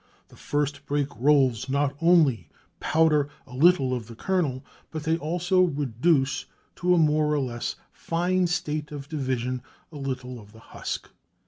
The first break rolls not only powder a little of the kernel, but they also reduce to a more or less fine state of division a little of the husk.